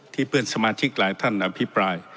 เพื่อนสมาชิกหลายท่านอภิปราย